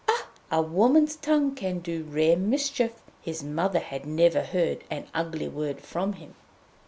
Ah! a woman's tongue can do rare mischief! His mother had never heard an ugly word from him.